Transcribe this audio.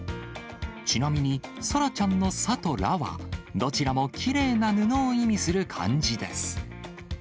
ちなみに、サラちゃんの紗と羅は、どちらもきれいな布を意味する漢字です。